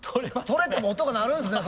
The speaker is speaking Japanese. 取れても音が鳴るんすね